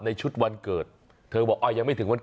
ในชุดวันเกิดเธอบอกยังไม่ถึงวันเกิด